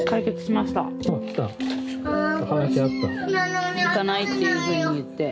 ああ行かないっていうふうに言って？